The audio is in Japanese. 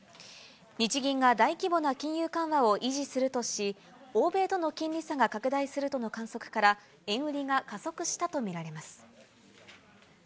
日銀が大規模な金融緩和を維持するとし、欧米との金利差が拡大するとの観測から、円売りが加速したと見られます。